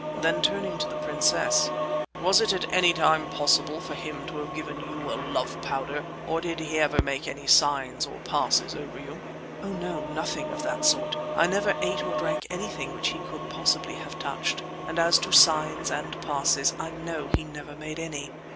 Then turning to the princess: "Was it at any time possible for him to have given you a love powder; or did he ever make any signs or passes over you?" "Oh, no! nothing of that sort. I never ate or drank anything which he could possibly have touched. And as to signs and passes, I know he never made any.